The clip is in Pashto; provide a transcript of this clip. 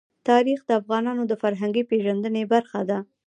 تاریخ د افغانانو د فرهنګي پیژندنې برخه ده.